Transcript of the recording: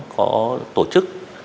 có tổ chức